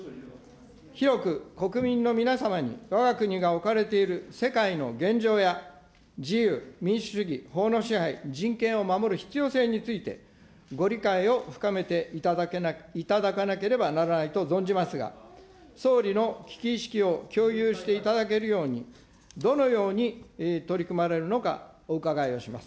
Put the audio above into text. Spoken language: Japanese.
広く国民の皆様にわが国が置かれている世界の現状や、自由、民主主義、法の支配、人権を守る必要性について、ご理解を深めていただかなければならないと存じますが、総理の危機意識を共有していただけるように、どのように取り組まれるのか、お伺いをします。